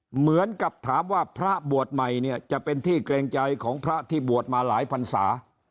เหมือนกับถามว่าพระบวชใหม่เนี่ยจะเป็นที่เกรงใจของพระที่บวชมาหลายพันศา